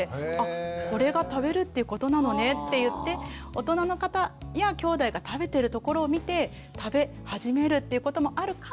これが食べるっていうことなのねっていって大人の方やきょうだいが食べてるところを見て食べ始めるということもあるかもしれない。